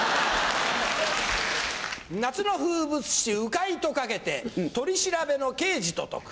夏の風物詩鵜飼いと掛けて取り調べの刑事と解く。